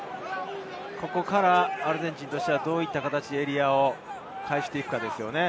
ここからアルゼンチンとしてはどういった形でエリアを返していくかですね。